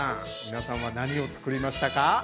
皆さんは何を作りましたか？